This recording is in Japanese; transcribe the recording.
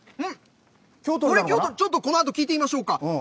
ちょっとこのあと聞いてみましょうか。